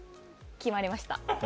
決まりました。